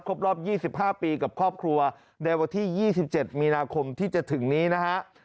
รอบ๒๕ปีกับครอบครัวในวันที่๒๗มีนาคมที่จะถึงนี้นะฮะ